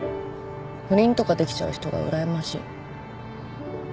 不倫とかできちゃう人がうらやましい。